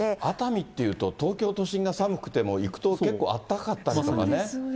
熱海っていうと、東京都心が寒くても、行くと結構あったかかったりとかね。